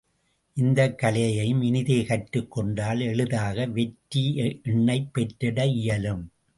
இந்தக் கலையையும், இனிதே கற்றுக் கொண்டால், எளிதாக வெற்றி எண்ணைப் பெற்றிட இயலும்.